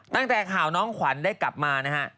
ตั้งแต่ข่าวน้องขวัญได้กลับมานะฮะ